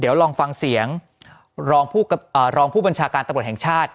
เดี๋ยวลองฟังเสียงรองผู้บัญชาการตำรวจแห่งชาติ